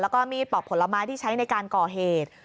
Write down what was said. แล้วก็มีดปอกผลไม้ที่ใช้ในการก่อเหตุ